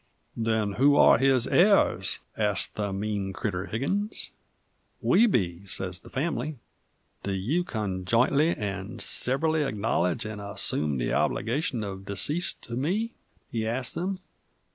"Then who are his heirs?" asked that mean critter Higgins. "We be," sez the family. "Do you conjointly and severally acknowledge and assume the obligation of deceased to me?" he asked 'em.